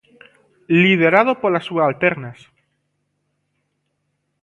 Liderado polas subalternas.